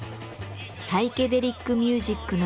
サイケデリックミュージックのレコードです。